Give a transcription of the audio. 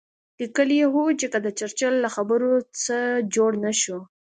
لیکلي یې وو چې که د چرچل له خبرو څه جوړ نه شو.